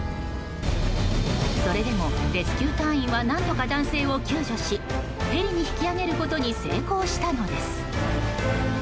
それでも、レスキュー隊員は何とか男性を救助しヘリに引き上げることに成功したのです。